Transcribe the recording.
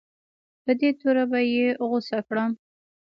په دې توره به یې غوڅه کړم.